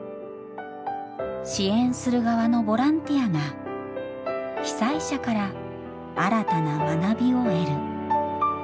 支援する側のボランティアが被災者から新たな学びを得る。